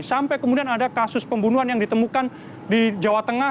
sampai kemudian ada kasus pembunuhan yang ditemukan di jawa tengah